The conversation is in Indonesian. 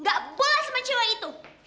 gak boleh sama cewek itu